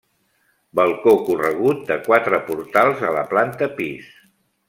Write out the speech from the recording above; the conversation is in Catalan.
Balcó corregut de quatre portals a la planta pis.